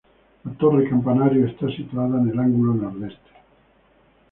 La torre campanario está situada en el ángulo nordeste.